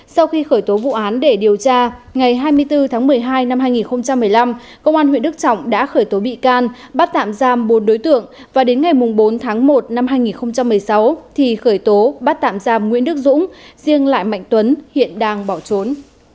sau khi khởi tố vụ án để điều tra ngày hai mươi bốn tháng một mươi hai năm hai nghìn một mươi năm công an huyện đức trọng đã khởi tố bị can bắt tạm giam bốn đối tượng và đến ngày bốn tháng một năm hai nghìn một mươi sáu thì khởi tố bắt tạm giam nguyễn đức dũng riêng lại mạnh tuấn hiện đang bỏ trốn